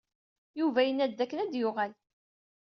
Yuba yenna-d dakken ad d-yuɣal.